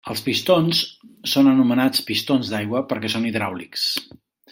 Els pistons són anomenats pistons d'aigua, perquè són hidràulics.